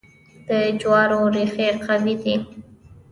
د جوارو ریښې قوي دي.